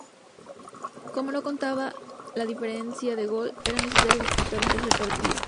Como no contaba la diferencia de gol, era necesario disputar un tercer partido.